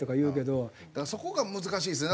そこが難しいですよね。